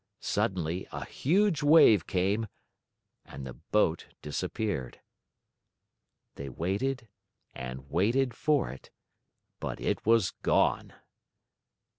Suddenly a huge wave came and the boat disappeared. They waited and waited for it, but it was gone.